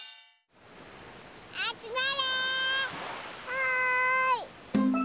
はい。